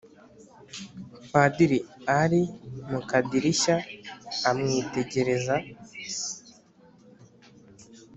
padili ali mu kadilishya amwitegereza,